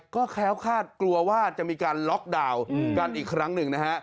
ก็แคล้วคาดกลัวว่าจะมีการล็อกดาวน์กันอีกครั้งหนึ่งนะฮะ